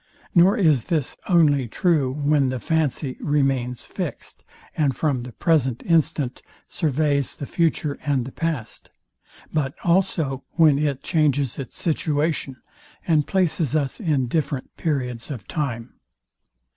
Nor is this only true, when the fancy remains fixed, and from the present instant surveys the future and the past; but also when it changes its situation, and places us in different periods of time.